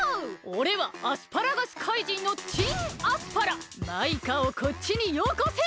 おれはアスパラガスかいじんのマイカをこっちによこせ！